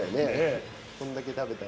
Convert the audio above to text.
こんだけ食べたら。